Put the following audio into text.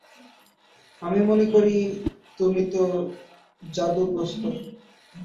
আমি মনে করি, তুমি তো জাদুগ্রস্ত।